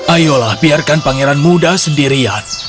ayolah biarkan pangeran muda sendirian